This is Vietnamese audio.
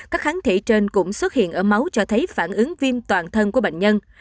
các kháng thể trên cũng xuất hiện ở máu cho thấy phản ứng viêm toàn thân của bệnh nhân